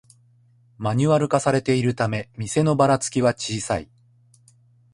マニュアル化されているため店のバラつきは小さい